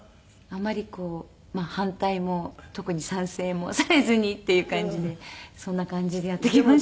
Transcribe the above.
あんまりこう反対も特に賛成もされずにっていう感じでそんな感じでやってきました。